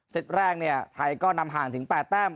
ตแรกเนี่ยไทยก็นำห่างถึง๘แต้ม